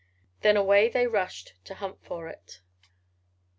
Then away they rushed to hunt for it.